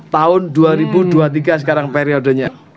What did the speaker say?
tahun dua ribu dua puluh tiga sekarang periodenya